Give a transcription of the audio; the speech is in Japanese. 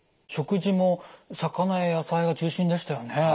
食事も魚や野菜が中心でしたよね。